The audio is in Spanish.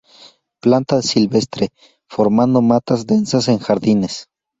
Planta silvestre, formando matas densas en jardines.